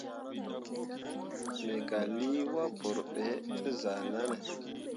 Me gah lii wapǝǝre ɓe te zah nen.